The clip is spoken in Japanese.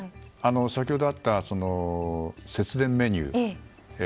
先ほどあった節電メニュー。